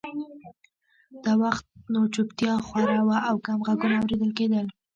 دا وخت نو چوپتیا خوره وه او کم غږونه اورېدل کېدل